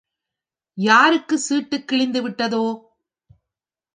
யாருக்கு சீட்டு கிழிந்துவிட்டதோ?